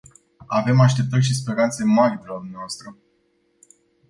Avem așteptări și speranțe mari de la dumneavoastră.